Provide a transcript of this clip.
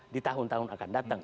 di tahun tahun akan datang